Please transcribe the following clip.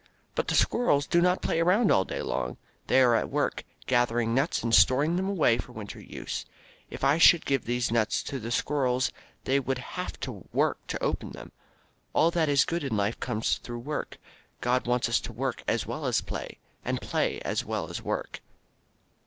But the squirrels do not play around all day long. They are at work, gathering nuts and storing them away for winter use. If I should give these nuts to the squirrels they would have to work to open them. All that is good in life comes through work. God wants us to work as well as play, and play as well as work.